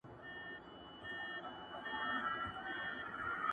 o چي نسونه ئې گوښي وي، نيتونه ئې گوښي وي!